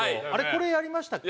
これやりましたっけ？